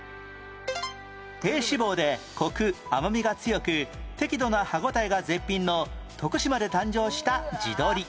低脂肪でコク甘みが強く適度な歯応えが絶品の徳島で誕生した地鶏